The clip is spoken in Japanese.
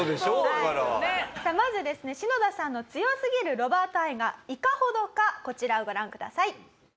シノダさんの強すぎるロバート愛がいかほどかこちらをご覧ください。